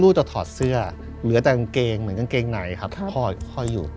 จะถอดเสื้อเหลือแต่กางเกงเหมือนกางเกงไหนครับค่อยอยู่